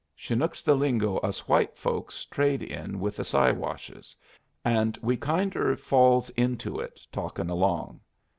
Chinook's the lingo us white folks trade in with the Siwashes, and we kinder falls into it, talking along.